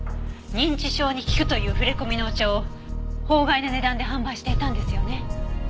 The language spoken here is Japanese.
認知症に効くという触れ込みのお茶を法外な値段で販売していたんですよね。